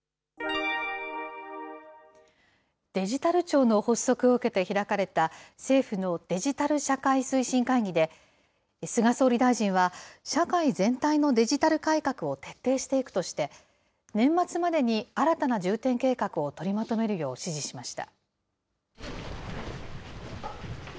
デジタル庁の発足を受けて開かれた政府のデジタル社会推進会議で、菅総理大臣は、社会全体のデジタル改革を徹底していくとして、年末までに新たな重点計画を取りまとめるよう指示しました。